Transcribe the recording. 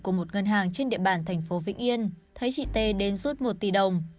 của một ngân hàng trên địa bàn thành phố vĩnh yên thấy chị t đến rút một tỷ đồng